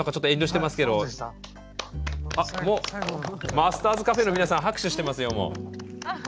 マスターズＣａｆｅの皆さん拍手してますよ。